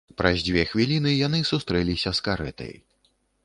Праз дзве хвіліны яны сустрэліся з карэтай.